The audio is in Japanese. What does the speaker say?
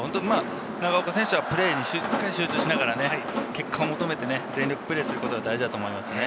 長岡選手はプレーに集中しながら、結果を求めて全力プレーすることが大事だと思いますね。